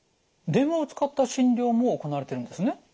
電話を使った診療も行われているんですね。